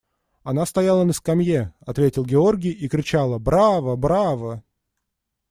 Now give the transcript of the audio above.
– Она стояла на скамье, – ответил Георгий, – и кричала: «Браво, браво!»